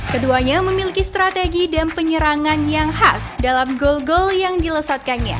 keduanya memiliki strategi dan penyerangan yang khas dalam gol gol yang dilesatkannya